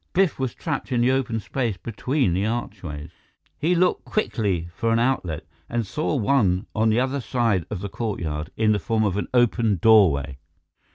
Biff was trapped in the open space between the archways. He looked quickly for an outlet, and saw one on the other side of the courtyard, in the form of an open doorway.